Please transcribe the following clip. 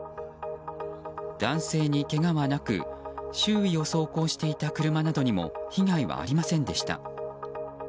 男性にけがはなく周囲を走行していた車などにも被害はありませんでした。